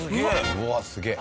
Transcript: うわっすげえ。